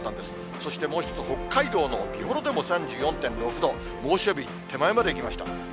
そしてもう一つ、北海道の美幌でも３４．６度、猛暑日手前までいきました。